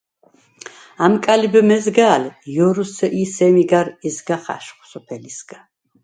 ამკა̈ლიბ მეზგა̄̈ლ ჲო̄რი ი სემი გარ იზგახ აშხვ სოფელისგა.